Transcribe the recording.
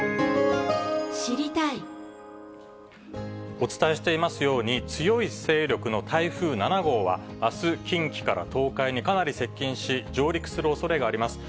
お伝えしていますように、強い勢力の台風７号は、あす、近畿から東海にかなり接近し、上陸するおそれがあります。